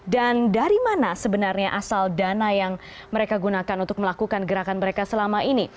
dari mana sebenarnya asal dana yang mereka gunakan untuk melakukan gerakan mereka selama ini